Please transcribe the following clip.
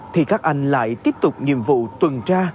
thì các anh lại tiếp tục nhiệm vụ tuần tra